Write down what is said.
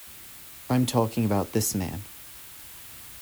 I'm talking about this man.